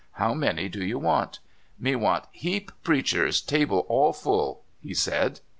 How many do you want?" "Me want heap preachers, table all full," he said.